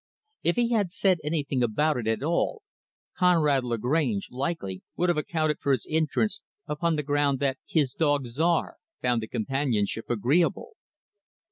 If he had said anything about it, at all, Conrad Lagrange, likely, would have accounted for his interest, upon the ground that his dog, Czar, found the companionship agreeable.